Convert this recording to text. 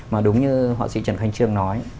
mà đúng như họa sĩ trần khánh trương nói